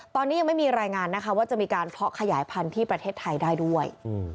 ตอนนี้ยังไม่มีรายงานนะคะว่าจะมีการเพาะขยายพันธุ์ที่ประเทศไทยได้ด้วย